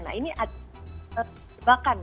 nah ini ada jebakan